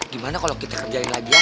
gimana kalo kita kerjain lagi deh